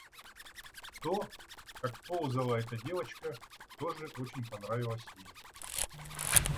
То, как ползала эта девочка, тоже очень понравилось ей.